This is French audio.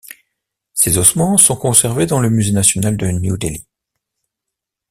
Ces ossements sont conservés dans le musée national de New Delhi.